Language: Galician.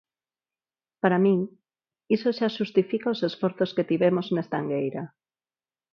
Para min iso xa xustifican os esforzos que tivemos nesta angueira.